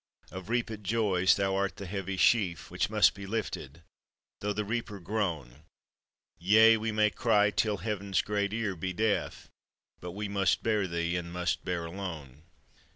Of reapèd joys thou art the heavy sheaf Which must be lifted, though the reaper groan; Yea, we may cry till Heaven's great ear be deaf, But we must bear thee, and must bear alone.